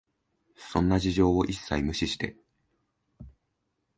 そんな事情を一切無視して、